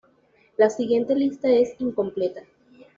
La siguiente lista es incompleta.